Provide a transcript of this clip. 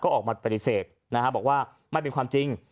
ออกมาปฏิเสธนะฮะบอกว่าไม่เป็นความจริง